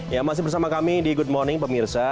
ya masih bersama kami di good morning pemirsa